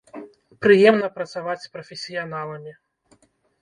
Прыемна працаваць з прафесіяналамі!